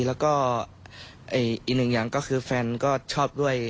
แล้วก็อีกหนึ่งอย่างก็คือแฟนก็ชอบด้วย